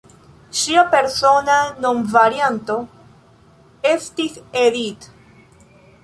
Ŝia persona nomvarianto estis "Edith".